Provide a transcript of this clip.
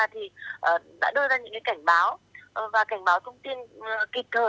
thì đã đưa ra những cảnh báo và cảnh báo thông tin kịp thời